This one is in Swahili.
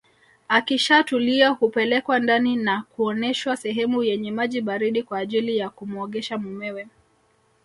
Akishatulia hupelekwa ndani na kuoneshwa sehemu yenye maji baridi kwa ajili ya kumuogesha mumewe